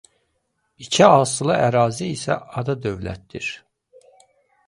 İki asılı ərazi isə ada dövlətdir.